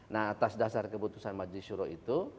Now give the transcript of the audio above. nah atas dasar keputusan majlis syuroh itu